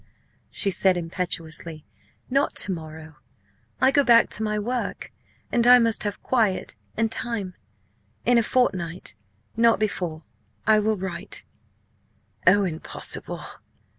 she said impetuously, "not to morrow; I go back to my work, and I must have quiet and time. In a fortnight not before. I will write." "Oh, impossible!"